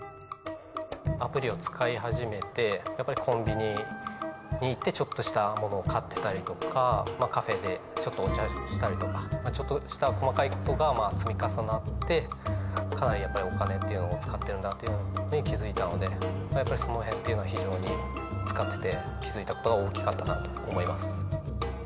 アプリを使い始めてコンビニに行ってちょっとしたものを買ってたりとかカフェでちょっとお茶したりとかちょっとした細かい事が積み重なってかなりお金っていうのを使ってるんだって気付いたのでやっぱりその辺っていうのは非常に使ってて気付いた事が大きかったなと思います。